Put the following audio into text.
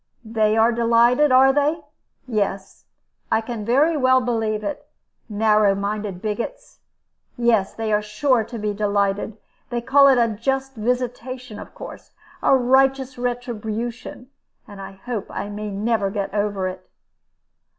"They are delighted, are they? Yes, I can very well believe it. Narrow minded bigots! Yes, they are sure to be delighted. They call it a just visitation, of course, a righteous retribution. And they hope I may never get over it."